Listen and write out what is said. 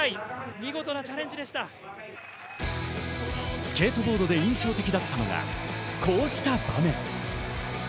スケートボードで印象的だったのがこうした場面。